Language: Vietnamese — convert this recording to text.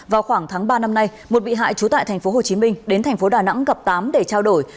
vào khoảng tháng ba năm nay một bị hại trú tại tp hồ chí minh đến tp đà nẵng gặp tám để trao đổi